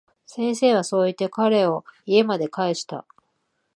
先生はそう言って、彼を家まで帰した。